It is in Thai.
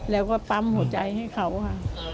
แล้วก็ปั๊มหัวใจให้เขาค่ะ